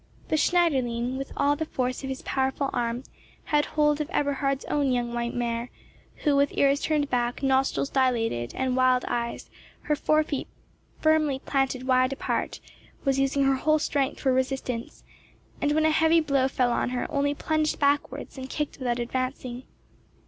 The Schneiderlein, with all the force of his powerful arm, had hold of Eberhard's own young white mare, who, with ears turned back, nostrils dilated, and wild eyes, her fore feet firmly planted wide apart, was using her whole strength for resistance; and, when a heavy blow fell on her, only plunged backwards, and kicked without advancing.